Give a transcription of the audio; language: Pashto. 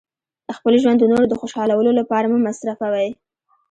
خپل ژوند د نورو د خوشحالولو لپاره مه مصرفوئ.